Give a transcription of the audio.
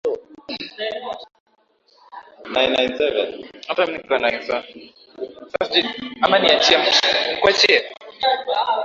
Kwa maana kila mtu aliyejua siri ile aliuawa mara moja hivyo Magreth alihofu